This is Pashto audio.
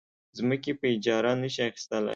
ځمکې په اجاره نه شي اخیستلی.